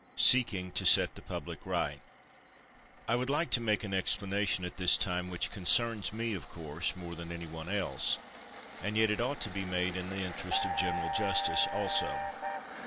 Seeking to Set the Public Right I would like to make an explanation at this time which concerns me, of course, more than any one else, and yet it ought to be made in the interests of general justice, also.